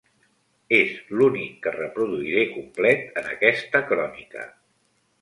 És l'únic que reproduiré complet en aquesta crònica.